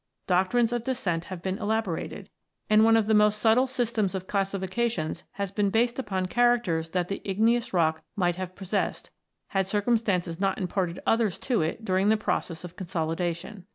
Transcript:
Doctrines of descent have been elaborated, and one of the most 106 ROCKS AND THEIR ORIGINS [OH. subtle systems of classification (59) has been based upon characters that the igneous rock might have possessed, had circumstances not imparted others to it during the process of consolidation.